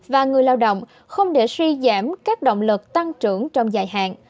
và người lao động không để suy giảm các động lực tăng trưởng trong dài hạn